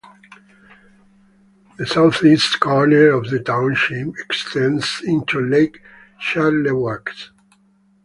The southeast corner of the township extends into Lake Charlevoix.